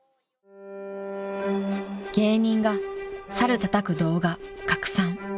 ［「芸人が猿たたく動画拡散」］